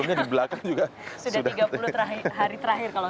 tni angkatan udara